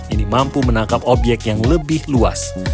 ini mampu menangkap obyek yang lebih luas